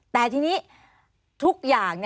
แต่ทีนี้ทุกอย่าง